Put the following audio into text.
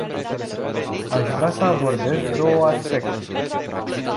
Aș vrea să abordez două aspecte.